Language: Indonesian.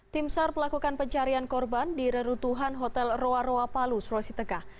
tim sar pelakukan pencarian korban di reruntuhan hotel roa roa palu sulawesi tengah